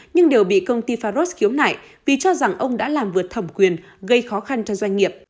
nhưng đều bị công ty faros khiếu nại vì cho rằng ông đã làm vượt thẩm quyền gây khó khăn cho doanh nghiệp